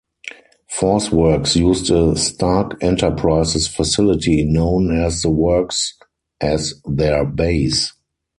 Force Works used a Stark Enterprises facility known as The Works as their base.